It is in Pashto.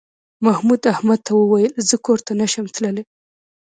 محمود احمد ته وویل زه کور ته نه شم تللی.